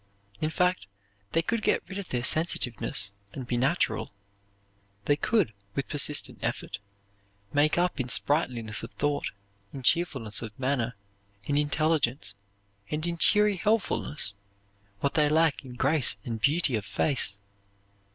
In fact, if they could get rid of their sensitiveness and be natural, they could, with persistent effort, make up in sprightliness of thought, in cheerfulness of manner, in intelligence, and in cheery helpfulness, what they lack in grace and beauty of face.